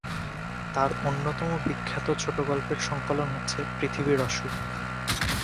তার অন্যতম বিখ্যাত ছোট গল্পের সংকলন হচ্ছে "পৃথিবীর অসুখ"।'